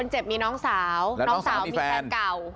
เจ็บมีน้องสาวน้องสาวมีแฟนเก่า